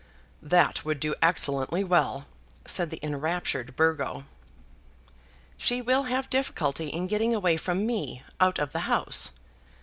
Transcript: "That would do excellently well," said the enraptured Burgo. "She will have difficulty in getting away from me, out of the house.